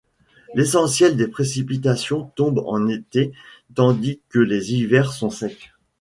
L'essentiel des précipitations tombe en été tandis que les hivers sont secs.